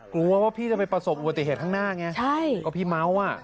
กลัวว่าพี่จะไปประสบอุบัติเหตุข้างหน้าไงใช่ก็พี่เมาส์อ่ะ